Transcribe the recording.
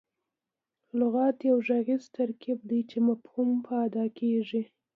لغت یو ږغیز ترکیب دئ، چي مفهوم په اداء کیږي.